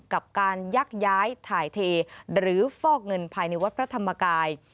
กับการยักย้ายถ่ายเทหรือฟอกเงินภายในวัดพระธรรมกาย